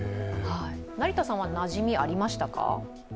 成田さんは、なじみありましたか？